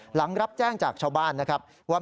หลังรับแจ้งจากชาวบ้านว่า